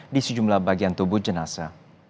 di sejumlah bagian tubuh jenazah